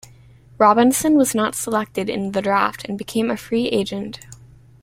Robinson was not selected in the draft and became a free agent.